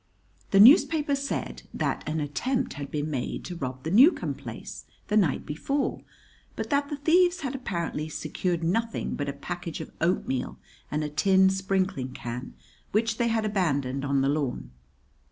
The newspaper said that an attempt had been made to rob the Newcomb place the night before, but that the thieves had apparently secured nothing but a package of oatmeal and a tin sprinkling can, which they had abandoned on the lawn.